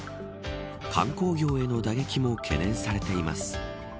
観光業への打撃も懸念されています。